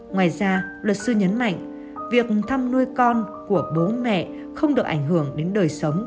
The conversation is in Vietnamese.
ngoài ra luật sư nhấn mạnh việc thăm nuôi con của bố mẹ không được ảnh hưởng đến đời sống